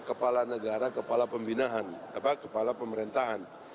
kepala negara kepala pembinaan kepala pemerintahan